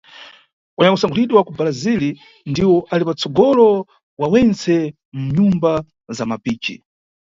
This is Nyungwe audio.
Anyakusankhulidwa wa ku Brasil ndiwo ali patsogolo pa wentse mʼmanyumba za mapici.